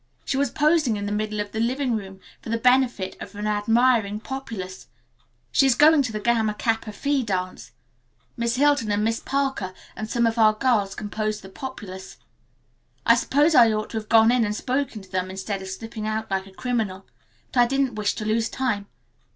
She was posing in the middle of the living room for the benefit of an admiring populace. She is going to the Gamma Kappa Phi dance. Miss Hilton and Miss Parker and some of our girls composed the populace. I suppose I ought to have gone in and spoken to them instead of slipping out like a criminal, but I didn't wish to lose time.